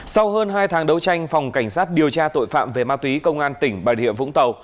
sau hơn hai tháng đấu tranh phòng cảnh sát điều tra tội phạm về ma túy công an tỉnh bà địa vũng tàu